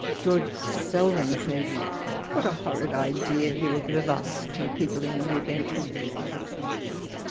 George Selwyn savs, " What a horrid idea he will give of us to the people in Newgate